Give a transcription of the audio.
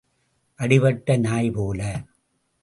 அடிபட்ட நாய் போல.